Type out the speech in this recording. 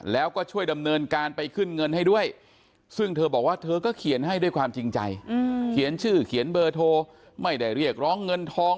แล้วก็ช่วยดำเนินการไปขึ้นเงินให้ด้วยซึ่งเธอบอกว่าเธอก็เขียนให้ด้วยความจริงใจเขียนชื่อเขียนเบอร์โทรไม่ได้เรียกร้องเงินทอง